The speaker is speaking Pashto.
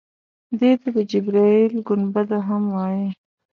دې ته د جبرائیل ګنبده هم وایي.